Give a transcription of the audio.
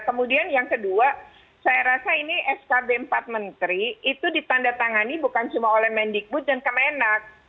kemudian yang kedua saya rasa ini skb empat menteri itu ditanda tangani bukan cuma oleh mendikbud dan kemenak